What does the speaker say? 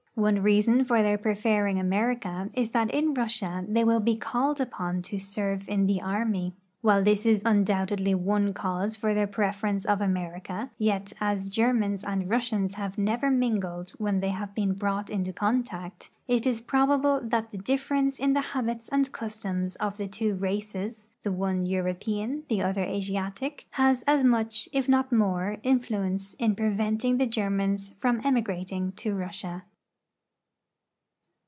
One reason for their preferring America is that in Russia they will be called upon to serve in the army. While this is undoubtedly one cause for their preference of America, yet, as the Germans and Russians have never mingled when they have been brought into contact, it is probable that the difference in the habits and customs of the two races — the one European, the other Asiatic — has as much, if not more, in fluence in preventing the Germans from emigrating to Russia.